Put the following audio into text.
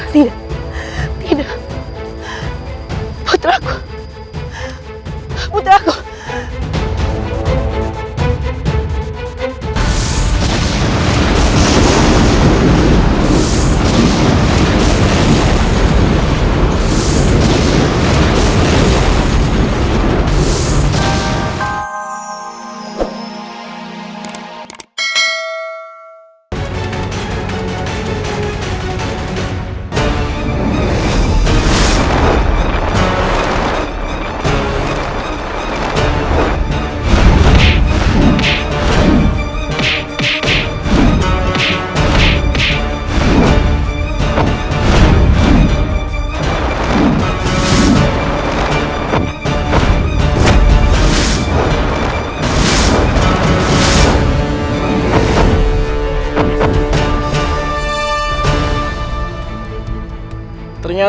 sampai jumpa di video selanjutnya